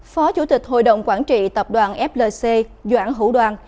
phó chủ tịch hội đồng quản trị tập đoàn flc doãn hữu đoàn